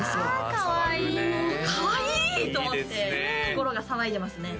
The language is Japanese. あかわいいかわいい！と思って心が騒いでますね